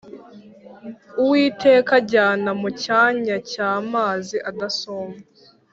uwiteka ajyana mucyanya cya mazi adasuma